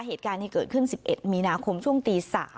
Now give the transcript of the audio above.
เหตุการณ์ที่เกิดขึ้น๑๑มีนาคมช่วงตี๓